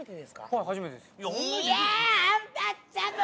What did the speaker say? はい初めてです。